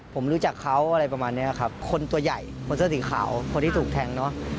ผมรู้จักเขาอะไรประมาณนี้ครับคนตัวใหญ่คนเสื้อสีขาวคนที่ถูกแทงเนอะ